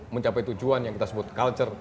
mencapai tujuan yang kita sebut culture